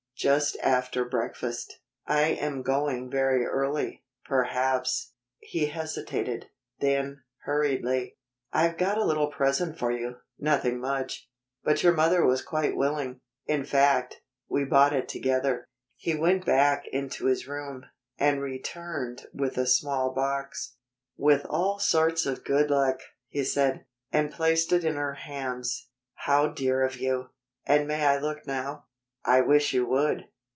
"Just after breakfast." "I am going very early. Perhaps " He hesitated. Then, hurriedly: "I got a little present for you nothing much, but your mother was quite willing. In fact, we bought it together." He went back into his room, and returned with a small box. "With all sorts of good luck," he said, and placed it in her hands. "How dear of you! And may I look now?" "I wish you would.